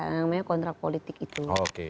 namanya kontrak politik itu